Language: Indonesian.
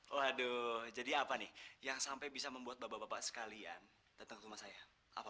waduh jadi apa nih yang sampai bisa membuat bapak bapak sekalian datang ke rumah saya apa